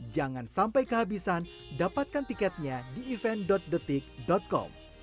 jangan sampai kehabisan dapatkan tiketnya di event detik com